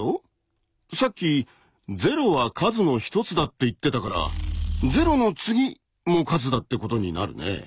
さっき「『０』は数の一つだ」って言ってたから「『０』の次も数だ」ってことになるね。